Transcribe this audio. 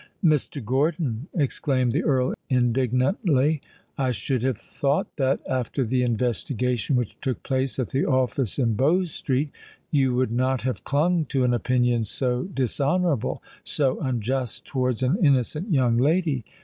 "Mr. Gordon," exclaimed the Earl indignantly, "I should have thought that, after the investigation which took place at the office in Bow Street, you would not have clung to an opinion so dishonourable—so unjust towards an innocent young lady.